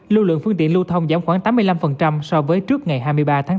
lưu lượng phương tiện lưu thông giảm khoảng tám mươi năm so với trước ngày hai mươi ba tháng tám